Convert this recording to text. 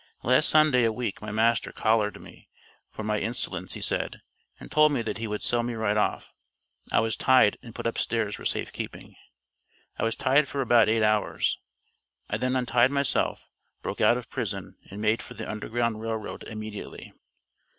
"Last Sunday a week my master collared me, for my insolence he said, and told me that he would sell me right off. I was tied and put up stairs for safe keeping. I was tied for about eight hours. I then untied myself, broke out of prison, and made for the Underground Rail Road immediately."